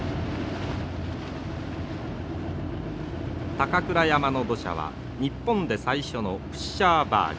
高倉山の土砂は日本で最初のプッシャーバージ